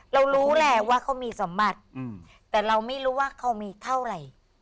เรารู้แหละว่าเขามีสมบัติแต่เราไม่รู้ว่าเขามีเท่าไหร่